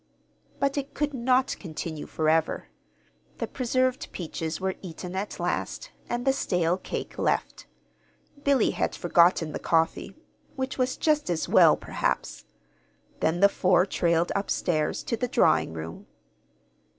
But it could not continue forever. The preserved peaches were eaten at last, and the stale cake left. (Billy had forgotten the coffee which was just as well, perhaps.) Then the four trailed up stairs to the drawing room.